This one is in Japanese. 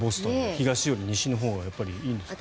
東より西のほうがいいんですかね？